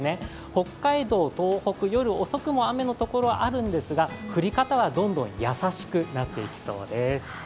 北海道、東北、夜遅くも雨の所はあるんですが降り方はどんどん優しくなっていきそうです。